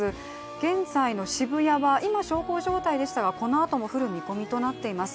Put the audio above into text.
現在の渋谷は今、小康状態でしたが、このあとも降る見込みとなっています。